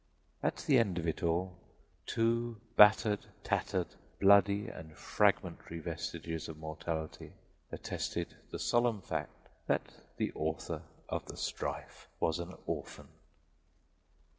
At the end of it all two battered, tattered, bloody and fragmentary vestiges of mortality attested the solemn fact that the author of the strife was an orphan.